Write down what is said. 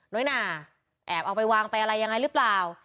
น้อยหนาแอบเอาไปวางไปอะไรยังไงหรือเปล่า